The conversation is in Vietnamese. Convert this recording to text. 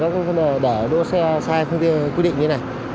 nếu đỗ xe sai phương tiện quy định như thế này